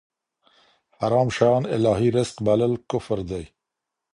حرام شيان الهي رزق بلل کفر دی.